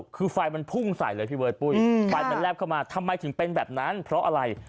คือไฟมันพุ่งใส่เลยพี่เบิร์ดปุ้ยไฟมันแลบเข้ามาทำไมถึงเป็นแบบนั้นเพราะอะไร